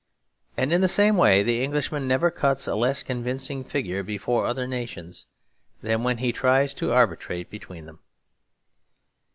And in the same way the Englishman never cuts a less convincing figure before other nations than when he tries to arbitrate between them.